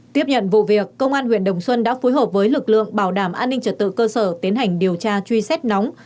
tiếp nhận vụ việc công an huyện đồng xuân đã phối hợp với lực lượng bảo đảm an ninh trật tự cơ sở tiến hành điều tra truy xét nóng